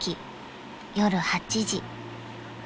［夜８時］